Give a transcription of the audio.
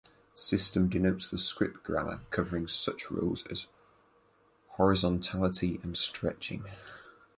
System denotes the script grammar covering such rules as horizontality and stretching.